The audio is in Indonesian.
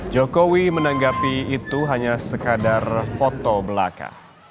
jokowi menanggapi itu hanya sekadar foto belaka